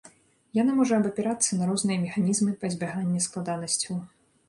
Яна можа абапірацца на розныя механізмы пазбягання складанасцяў.